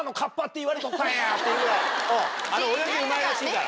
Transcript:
泳ぎうまいらしいから。